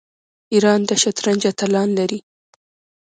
ایران د شطرنج اتلان لري.